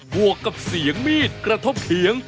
วกกับเสียงมีดกระทบเถียง